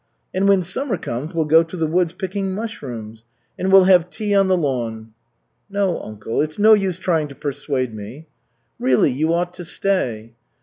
And when summer comes we'll go to the woods picking mushrooms. And we'll have tea on the lawn." "No, uncle, it's no use trying to persuade me." "Really, you ought to stay."